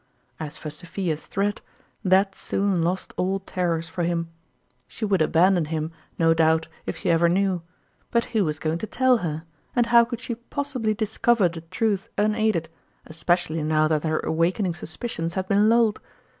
As for Sophia's threat, that soon lost all terrors for him. She would abandon him, no 116 QTottrmalin's ime doubt, if she ever knew ; but who was going to tell her, and how could she possibly discover the truth unaided, especially now that her awakening suspicions had been lulled?